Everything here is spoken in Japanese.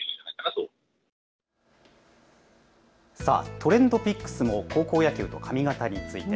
ＴｒｅｎｄＰｉｃｋｓも高校野球の髪型について。